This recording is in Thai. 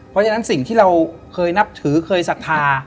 เพราะฉะนั้นสิ่งที่เราเคยนับถือเคยศรัทธา